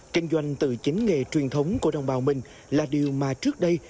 kinh doanh từ chính nghề truyền thống của đồng bào mình là điều mà trước đây